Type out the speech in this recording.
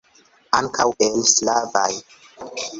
Ankaŭ el slavaj.